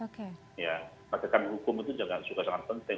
penegakan hukum itu juga sangat penting